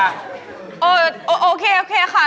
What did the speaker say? อันนี้ถูกกว่าอันนี้ถูกกว่า